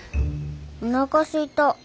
おなかすいた。